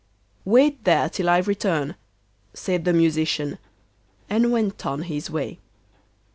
'Wait there till I return,' said the Musician, and went on his way.